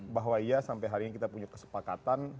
bahwa iya sampai hari ini kita punya kesepakatan